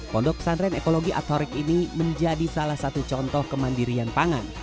pondok pesantren ekologi atorik ini menjadi salah satu contoh kemandirian pangan